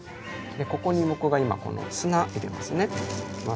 ここに僕が今この入れますよ。